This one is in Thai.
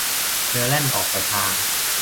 เรือแล่นออกไปทาง